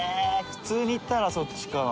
普通にいったらそっちかな？